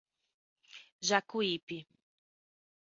Jacuípe